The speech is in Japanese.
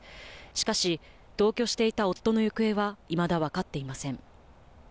しかし、同居していた夫の行方は、いまだ分かっていません。